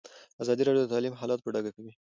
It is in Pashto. ازادي راډیو د تعلیم حالت په ډاګه کړی.